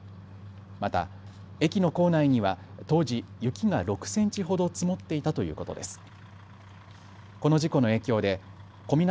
また駅の構内には当時、雪が６センチほど積もっていたということです。